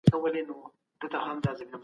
کله نوي سفیران ټاکل کیږي؟